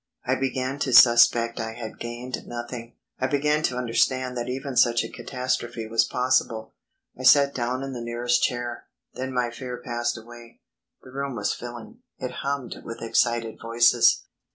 I began to suspect I had gained nothing; I began to understand that even such a catastrophe was possible. I sat down in the nearest chair. Then my fear passed away. The room was filling; it hummed with excited voices.